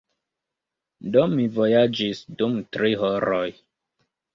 Do, mi vojaĝis dum tri horoj.